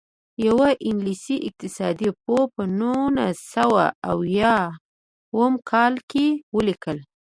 یوه انګلیسي اقتصاد پوه په نولس سوه اویاووه کال کې ولیکل.